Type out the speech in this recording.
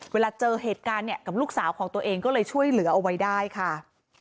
เวลาเจอเหตุการณ์เนี่ยกับลูกสาวของตัวเองก็เลยช่วยเหลือเอาไว้ได้ค่ะ